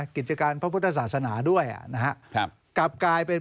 กิจการทะพพุทธศาสตร์ด้วยนะครับกลับกลายไป